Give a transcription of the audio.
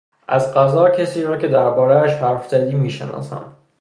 از قضا کسی را که دربارهاش حرف زدی میشناسم.